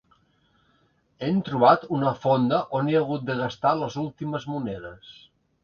Hem trobat una fonda on he hagut de gastar les últimes monedes.